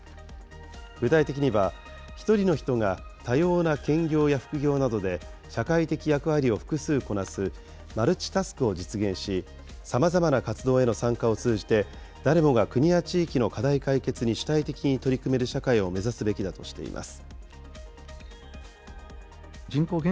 具体的には、１人の人が多様な兼業や副業などで社会的役割を複数こなす、マルチ・タスクを実現し、さまざまな活動への参加を通じて、誰もが国や地域の課題解決に主体的に取り組める社会を目指すべきだとしています。